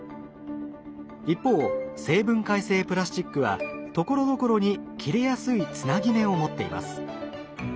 一方生分解性プラスチックはところどころに切れやすいつなぎ目を持っています。